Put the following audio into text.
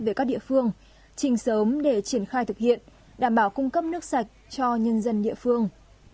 về các địa phương trình sớm để triển khai thực hiện đảm bảo cung cấp nước sạch cho nhân dân địa phương